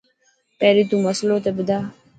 پهرين تو مصلو ته ٻڌا.